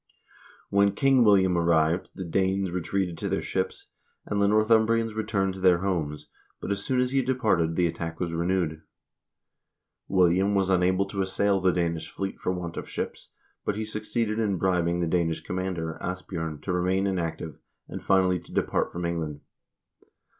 When King William arrived, the Danes retreated to their ships, and the Northumbrians returned to their homes, but as soon as he departed the attack was renewed. William was unable to assail the Danish fleet for want of ships, but he suc ceeded in bribing the Danish commander, Asbj0rn, to remain inact ive, and finally to depart from England.